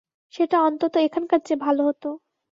সেটা অন্তত এখানকার চেয়ে ভালো হতো।